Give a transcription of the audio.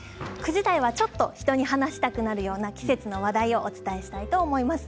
９時台はちょっと人に話したくなるような季節の話題をお伝えしたいと思います。